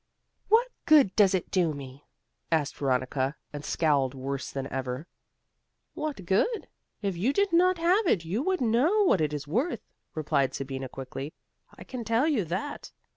"What good does it do me?" asked Veronica, and scowled worse than ever. "What good? if you did not have it you would know what it is worth," replied Sabina, quickly. "I can tell you that.